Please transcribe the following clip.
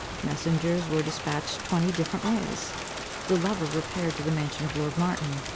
Messengers were dispatched twenty different ways. The lover repaired to the mansion of Lord Martin.